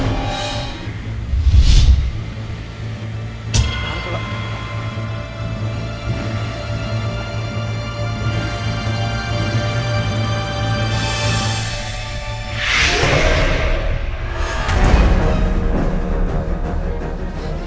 itu kata kata yang biasa disiapungin